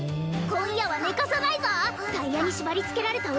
今夜は寝かさないぞタイヤに縛りつけられた